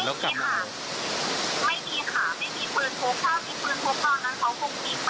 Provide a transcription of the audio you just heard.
ใช่ค่ะถ่ายรูปส่งให้พี่ดูไหม